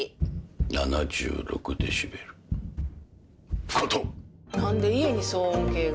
７６デシベルアウト何で家に騒音計が？